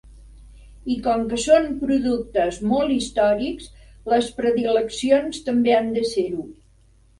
I com que són productes molt històrics, les predileccions també han de ser-ho.